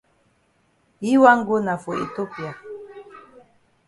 Yi wan go na for Ethiopia.